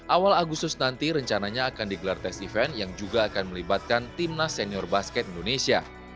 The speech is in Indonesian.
awal agustus nanti rencananya akan digelar tes event yang juga akan melibatkan timnas senior basket indonesia